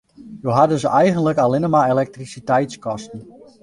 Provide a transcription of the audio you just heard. Jo ha dus eigenlik allinne mar elektrisiteitskosten.